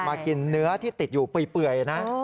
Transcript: มากินเนื้อที่ติดอยู่เปื่อยนะ